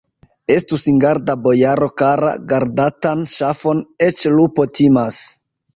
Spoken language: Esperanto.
Estu singarda, bojaro kara: gardatan ŝafon eĉ lupo timas!